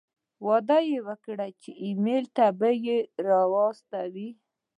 وعده یې وکړه چې ایمېل ته به یې را واستوي.